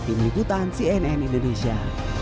ini diputarkan cnn indonesia